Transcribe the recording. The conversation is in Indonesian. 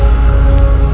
aku akan menang